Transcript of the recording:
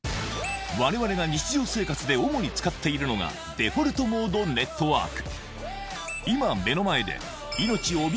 我々が日常生活で主に使っているのがデフォルトモードネットワーク